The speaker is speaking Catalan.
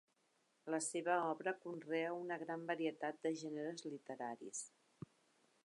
La seva obra conrea una gran varietat de gèneres literaris.